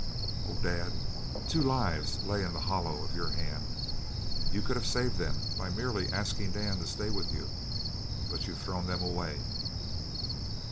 Oh, Dad, two lives lay in the hollow of your hand. You could have saved them by merely asking Dan to stay with you; but you've thrown them away."